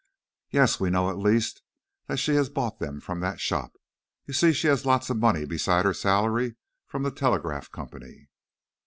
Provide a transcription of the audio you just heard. "Yes; we know, at least, that she has bought them from that shop. You see, she has lots of money beside her salary from the telegraph company."